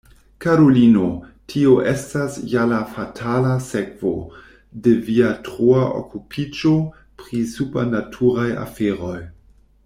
karulino, tio estas ja la fatala sekvo de via troa okupiĝo pri supernaturaj aferoj.